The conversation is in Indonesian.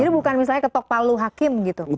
jadi bukan misalnya ketok palu hakim gitu